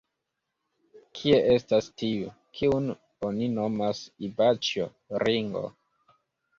Kie estas tiu, kiun oni nomas Ivaĉjo Ringo?